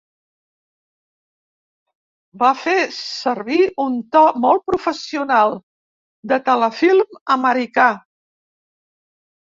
Va fer servir un to molt professional, de telefilm americà.